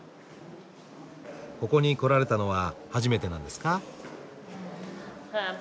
ここに来られたのは初めてなんですか？